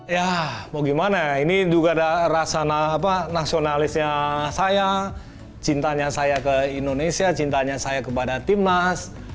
ya mau gimana ya ini juga rasa nasionalisnya saya cintanya saya ke indonesia cintanya saya kepada tim nas